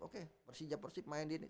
oke persija persib main di ini